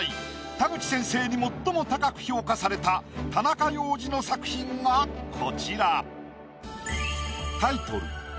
田口先生に最も高く評価された田中要次の作品がこちら。